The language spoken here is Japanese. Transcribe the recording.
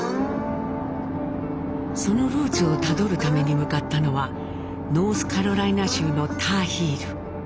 そのルーツをたどるために向かったのはノースカロライナ州のター・ヒール。